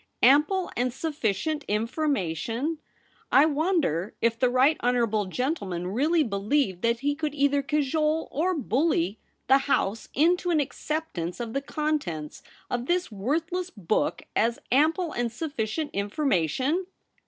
Ample and sufficient information ! I wonder if the right honourable gentleman really believed that he could either cajole or bully the House into an acceptance of the contents of this worthless book as ample and sufficient information